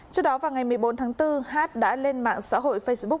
trước đó vào ngày một mươi bốn tháng bốn hát đã lên mạng xã hội facebook